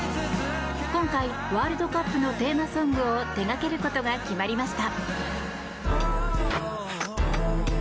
今回、ワールドカップのテーマソングを手掛けることが決まりました。